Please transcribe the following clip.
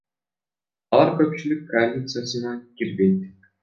Алар көпчүлүк коалициясына кирбейт.